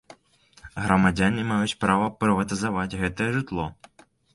Грамадзяне маюць права прыватызаваць гэтае жытло.